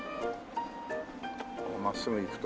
真っすぐ行くと。